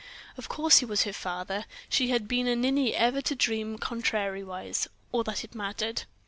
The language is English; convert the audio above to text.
Of course he was her father, she had been a ninny ever to dream contrariwise, or that it mattered.